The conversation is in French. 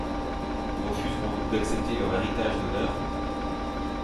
Refuserons-nous d'accepter leur héritage d'honneur?